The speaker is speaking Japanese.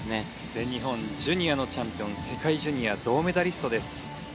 全日本ジュニアのチャンピオン世界ジュニア銅メダリストです。